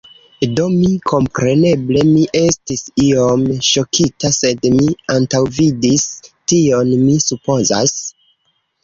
Do mi, kompreneble, mi estis iom ŝokita, sed mi antaŭvidis tion, mi supozas.